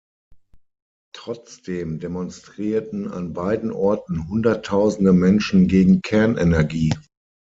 Trotzdem demonstrierten an beiden Orten hunderttausende Menschen gegen Kernenergie.